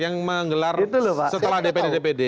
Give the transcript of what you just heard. yang menggelar setelah dpd dpd